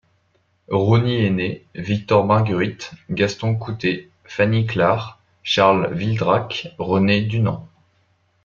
Rosny aîné, Victor Margueritte, Gaston Couté, Fanny Clar, Charles Vildrac, Renée Dunan...